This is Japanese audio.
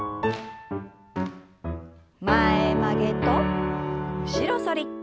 前曲げと後ろ反り。